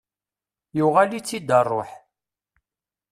Yuɣal-it-id rruḥ.